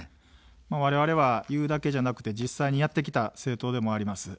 われわれは言うだけじゃなくて実際にやってきた政党でもあります。